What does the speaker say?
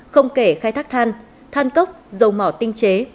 không kể khai thác than than cốc dầu mỏ tinh chế